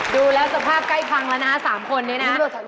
ดูแล้วสภาพใกล้พังแล้วนะ๓คนนี้นะ